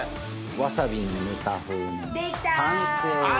わさびのぬた風の完成です。